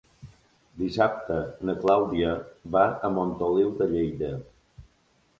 Dissabte na Clàudia va a Montoliu de Lleida.